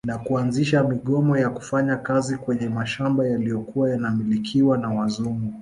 Na kuanzisha migomo ya kufanya kazi kwenye mashamba yaliyokuwa yanamilkiwa na wazungu